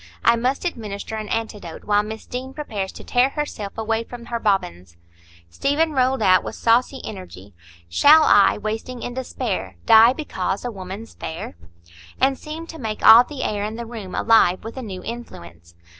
I must administer an antidote, while Miss Deane prepares to tear herself away from her bobbins." Stephen rolled out, with saucy energy,— "Shall I, wasting in despair, Die because a woman's fair?" and seemed to make all the air in the room alive with a new influence.